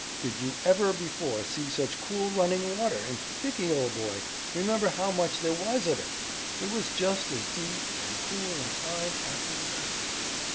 Did you ever before see such cool running water, and Dickie, old boy, remember how much there was of it! It was just as deep and cool and fine after we left it."